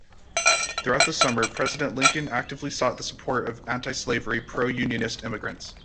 Throughout the summer, President Lincoln actively sought the support of antislavery, pro-Unionist immigrants.